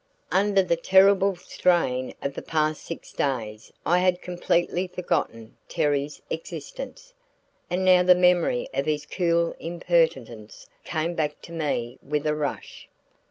Under the terrible strain of the past six days I had completely forgotten Terry's existence and now the memory of his cool impertinence came back to me with a rush.